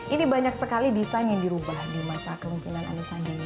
ini banyak sekali desain yang dirubah di masa kemungkinan aneh aneh ini